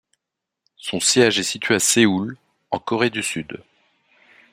Son siège est situé à Séoul, en Corée du Sud.